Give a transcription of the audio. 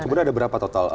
kemudian ada berapa total